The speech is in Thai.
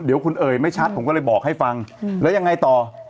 เดี๋ยวคุณเอ๋ยไม่ชัดผมก็เลยบอกให้ฟังแล้วยังไงต่อ